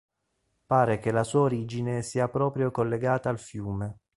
Pare che la sua origine sia proprio collegata al fiume.